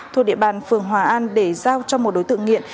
thuộc địa bàn phường hòa an để giao cho một đối tượng nghiện